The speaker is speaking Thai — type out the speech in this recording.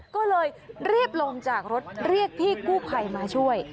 ก็เลยรีบลงจากรถเรียกพี่กู้ภัยมาช่วย